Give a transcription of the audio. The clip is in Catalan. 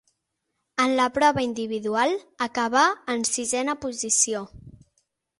En la prova individual acabà en sisena posició.